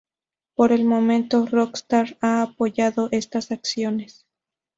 Por el momento, Rockstar ha apoyado estas acciones.